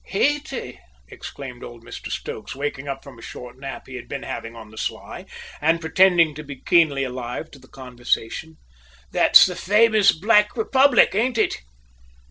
"Hayti!" exclaimed old Mr Stokes, waking up from a short nap he had been having on the sly, and pretending to be keenly alive to the conversation. "That's the famous black republic, ain't it?"